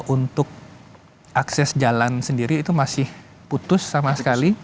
untuk akses jalan sendiri itu masih putus sama sekali